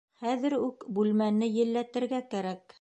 Хәҙер үк бүлмәне елләтергә кәрәк